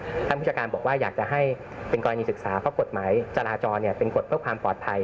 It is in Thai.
ท่านผู้จัดการบอกว่าอยากจะให้เป็นกรณีศึกษาเพราะกฎหมายจราจรเป็นกฎเพื่อความปลอดภัย